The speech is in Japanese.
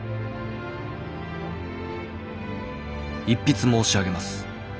「一筆申し上げます。